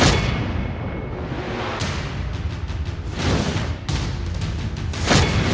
โอ๊ย๖เหรียญ